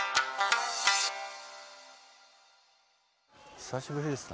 久しぶりですね。